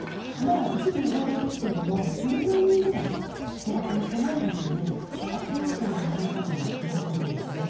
一部の報道ですが１０万人ぐらい人が狭い場所に集まったのではないかともいわれているんですよね。